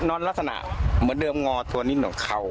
นอนลักษณะเหมือนเดิมงอตัวนิดของเขา